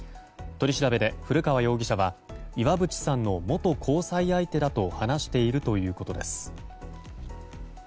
取り調べで古川容疑者は岩渕さんの元交際相手だと話しているということです。